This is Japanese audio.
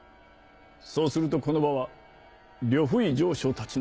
そうするとこの場は呂不韋丞相たちのものに。